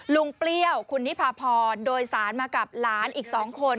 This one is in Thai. เปรี้ยวคุณนิพาพรโดยสารมากับหลานอีก๒คน